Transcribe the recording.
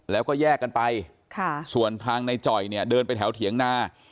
แล้วก็แยกกันไปส่วนทางในจ่อยเนี่ยเดินไปแถวเถียงนา